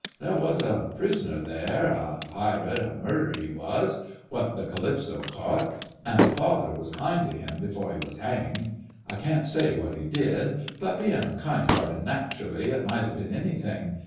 There was a prisoner there, a pirate an' murderer he was, what the Calypso caught ... an' father was kind to him before he was hanged ... I can't say what he did, but bein' kind hearted naturally, it might have been anything